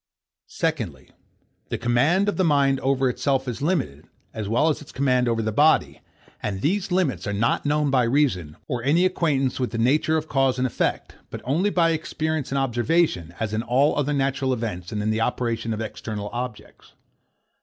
Secondly, The command of the mind over itself is limited, as well as its command over the body; and these limits are not known by reason, or any acquaintance with the nature of cause and effect, but only by experience and observation, as in all other natural events and in the operation of external objects.